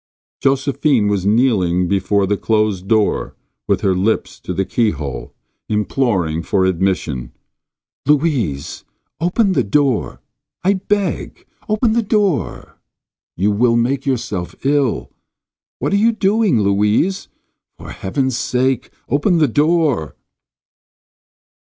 Josephine was kneeling before the closed door with her lips to the keyhole, imploring for admission. "Louise, open the door! I beg, open the door — you will make yourself ill. What are you doing, Louise? For heaven's sake open the door."